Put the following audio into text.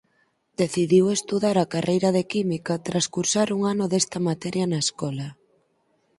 Decidiu estudar a carreira de Química tras cursar un ano desta materia na escola.